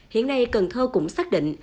hiện nay cần thơ cũng xác định